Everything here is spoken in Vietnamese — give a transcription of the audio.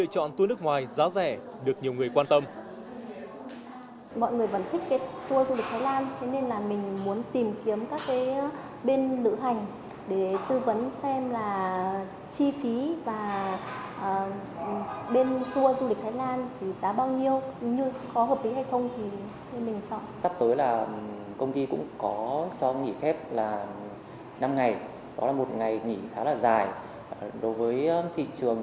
các công ty lựa chọn tour nước ngoài giá rẻ được nhiều người quan tâm